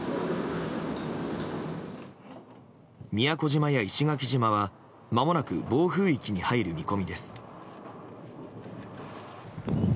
宮古島や石垣島はまもなく暴風域に入る見込みです。